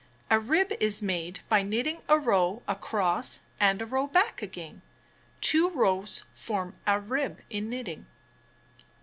A rib is made by knitting a row across and a row back again. Two rows form a rib in knitting.